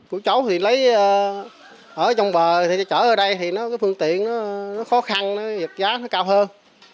cổ chấu thì lấy ở trong bờ chở ở đây thì phương tiện nó khó khăn giá nó cao hơn